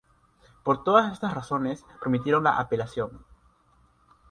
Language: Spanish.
Por todas estas razones, permitieron la apelación.